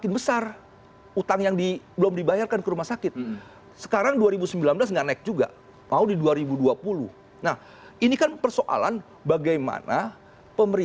itu kan sekitar